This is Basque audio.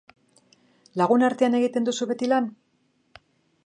Lagunartean egiten duzu beti lan?